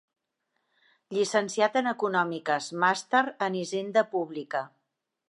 Llicenciat en Econòmiques, Màster en Hisenda Pública.